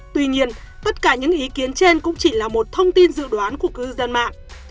tuy nhiên tất cả những ý kiến trên cũng chỉ là một thông tin dự đoán của cư dân mạng